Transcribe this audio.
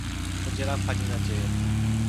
Podzielam pani nadzieje